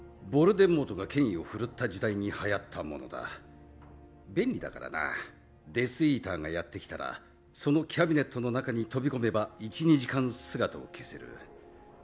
ヴォルデモートが権威を振るった時代にはやったものだ便利だからなあデス・イーターがやって来たらそのキャビネットの中に飛び込めば１２時間姿を消せる